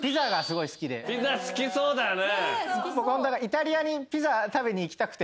ピザ好きそうだよね。